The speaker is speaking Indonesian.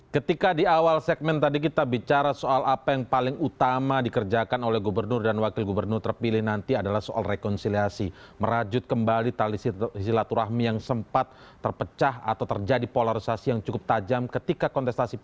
ketika di awal segmen tadi kita bicara soal apa yang paling utama dikerjakan oleh gubernur dan wakil gubernur terpilih nanti adalah soal rekonsiliasi merajut kembali tali silaturahmi yang sempat terpecah atau terjadi polarisasi yang cukup tajam ketika kontestasi pilpres